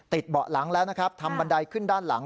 เบาะหลังแล้วนะครับทำบันไดขึ้นด้านหลัง